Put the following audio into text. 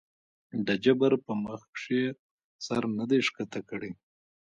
د جبر پۀ مخکښې سر نه دے ښکته کړے